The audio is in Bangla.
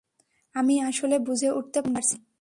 আমি আসলে বুঝে উঠতে পারছিলাম না।